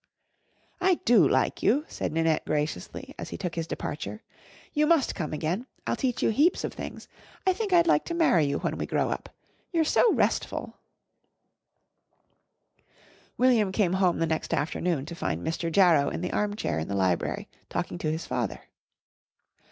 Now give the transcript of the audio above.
"I do like you," said Ninette graciously as he took his departure. "You must come again. I'll teach you heaps of things. I think I'd like to marry you when we grow up. You're so restful." William came home the next afternoon to find Mr. Jarrow in the armchair in the library talking to his father.